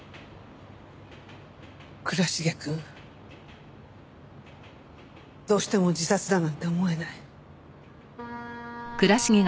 倉重くんどうしても自殺だなんて思えない。